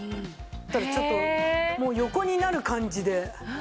ちょっともう横になる感じで。